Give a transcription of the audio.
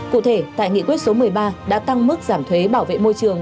cụ thể tại nghị quyết số một mươi ba đã tăng mức giảm thuế bảo vệ môi trường